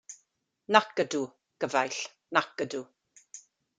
Nac ydyw, gyfaill, nac ydyw.